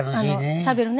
しゃべるね。